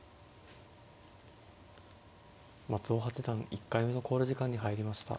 松尾八段１回目の考慮時間に入りました。